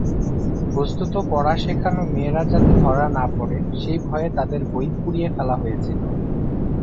বস্তুত, পড়া শেখানো মেয়েরা যাতে ধরা না পরে সেই ভয়ে তাদের বই পুড়িয়ে ফেলা হয়েছিল।